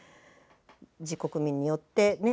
自国民によってね？